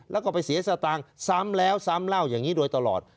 แล้วก็ไปเสียสตางค์ซ้ำแล้วซ้ำเล่าอย่างนี้โดยตลอด